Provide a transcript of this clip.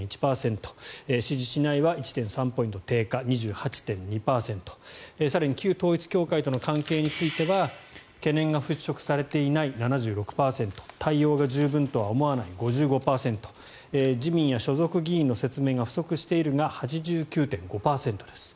支持しないは１．３ポイント低下２８．２％更に旧統一教会との関係については懸念が払しょくされていない７６％対応が十分とは思わない５５％自民や所属議員の説明が不足しているが８９．５％です。